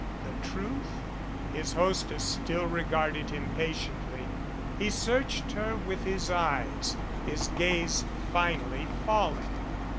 The truth? His hostess still regarded him patiently. He searched her with his eyes, his gaze finally falling.